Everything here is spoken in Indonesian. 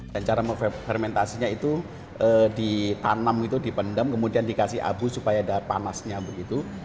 dan cara fermentasinya itu ditanam itu dipendam kemudian dikasih abu supaya ada panasnya begitu